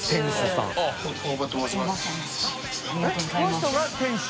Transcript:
この人が店主？